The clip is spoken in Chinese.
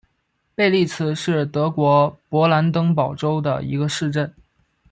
贝利茨是德国勃兰登堡州的一个市镇。